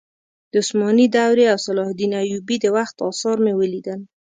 د عثماني دورې او صلاح الدین ایوبي د وخت اثار مې ولیدل.